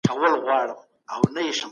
سیال هیواد نظامي اډه نه جوړوي.